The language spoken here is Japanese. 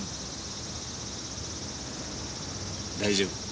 大丈夫。